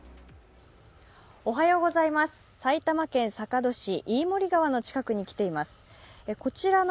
埼玉県坂戸市、飯盛川の近くに来ています。